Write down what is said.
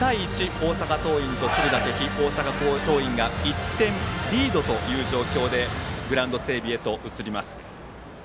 大阪桐蔭と敦賀気比大阪桐蔭が１点リードの状況でグラウンド整備へ移ります。